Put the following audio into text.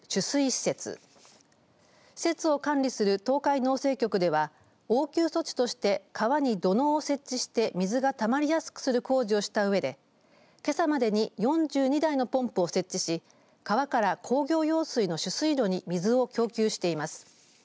施設を管理する東海農政局では応急措置として川に土のうを設置して水がたまりやすくする工事をしたうえでけさまでに４２台のポンプを設置し川から工業用水の取水路に水を供給しています。